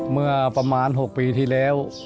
เมื่อประมาณ๖ปีที่แล้ว